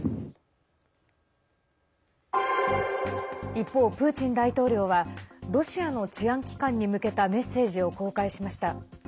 一方、プーチン大統領はロシアの治安機関に向けたメッセージを公開しました。